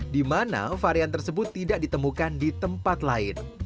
di mana varian tersebut tidak ditemukan di tempat lain